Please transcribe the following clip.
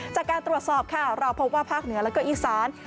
จากการตรวจสอบค่ะเราพบว่าภาคเหนือแล้วก็อีสาน